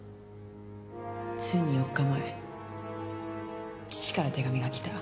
ついに４日前父から手紙が来た。